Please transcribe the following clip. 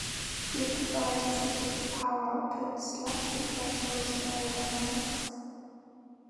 Different riders have different power outputs, lactate thresholds and aerodynamics.